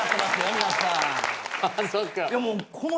皆さん。